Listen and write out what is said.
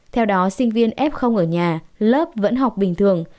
theo đó sinh viên f ở nhà lớp vẫn học bình thường